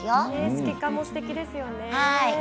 透け感もすてきですよね。